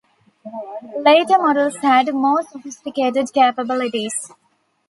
Later models had more sophisticated capabilities.